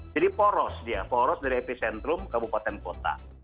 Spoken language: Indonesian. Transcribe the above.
jadi poros dia poros dari epicentrum kabupaten kota